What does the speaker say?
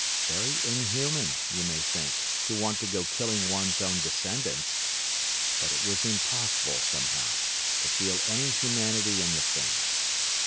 Very inhuman, you may think, to want to go killing one's own descendants! But it was impossible, somehow, to feel any humanity in the things.